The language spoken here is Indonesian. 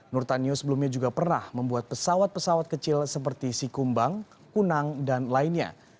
nurtanio sebelumnya juga pernah membuat pesawat pesawat kecil seperti sikumbang kunang dan lainnya